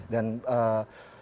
dan fungsi kepemimpinannya itu